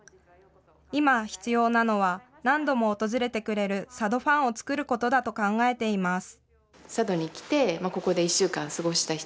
今必要なのは、何度も訪れてくれる佐渡ファンを作ることだと考えています。